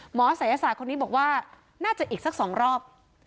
ศัยศาสตร์คนนี้บอกว่าน่าจะอีกสัก๒รอบ